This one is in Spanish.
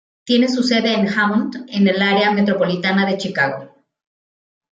Tiene su sede en Hammond, en el área metropolitana de Chicago.